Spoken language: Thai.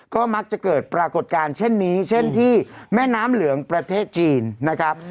ก็มักจะเกิดปรากฏการณ์เช่นนี้เช่นที่แม่น้ำเหลืองประเทศจีนนะครับ